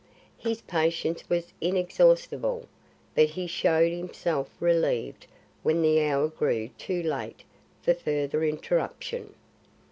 His patience was inexhaustible, but he showed himself relieved when the hour grew too late for further interruption.